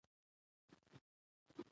وار= نوبت، د دې پسې زما وار دی!